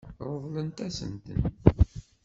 Ṛeḍlent-asent-ten.